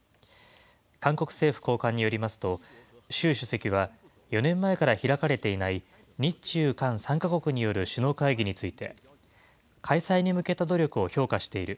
韓国政府高官によりますと、習主席は、４年前から開かれていない日中韓３か国による首脳会議について、開催に向けた努力を評価している。